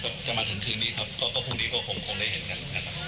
ประมาณถึงคืนนี้ครับก็พรุ่งนี้ก็คงได้เห็น